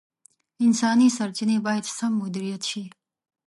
انساني سرچیني باید سم مدیریت شي.